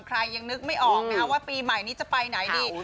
ยังนึกไม่ออกนะคะว่าปีใหม่นี้จะไปไหนดี